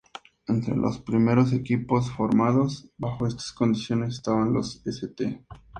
Entre los primeros equipos formados bajo estas condiciones estaban los "St.